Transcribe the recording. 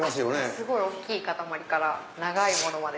すごい大きい塊から長いものまで。